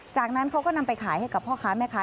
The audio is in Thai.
จากนั้นเขาก็นำไปขายให้กับพ่อค้าแม่ค้า